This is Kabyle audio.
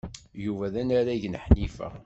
Yuba d anarag n Ḥnifa.